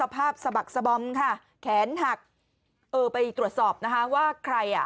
สภาพสะบักสบอมค่ะแขนหักเออไปตรวจสอบนะคะว่าใครอ่ะ